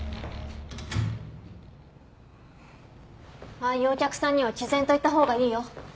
ああいうお客さんには毅然と言った方がいいよ。